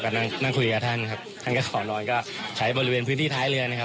ก็นั่งนั่งคุยกับท่านครับท่านก็ขอลอยก็ใช้บริเวณพื้นที่ท้ายเรือนะครับ